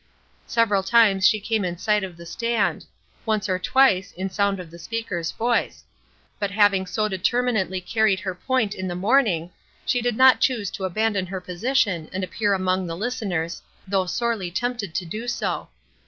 Several times she came in sight of the stand; once or twice in sound of the speaker's voice; but having so determinately carried her point in the morning, she did not choose to abandon her position and appear among the listeners, though sorely tempted to do so.